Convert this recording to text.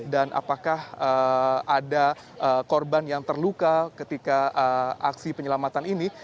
dan apakah ada korban yang terluka ketika aksi penyelamatan ini